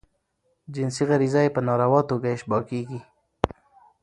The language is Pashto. جنسی غریزه ئې په ناروا توګه اشباه کیږي.